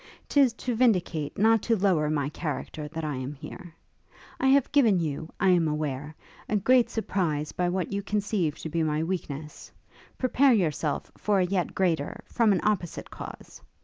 'Tis to vindicate, not to lower my character that I am here. I have given you, I am aware, a great surprise by what you conceive to be my weakness; prepare yourself for a yet greater, from an opposite cause.